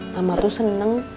mama tuh seneng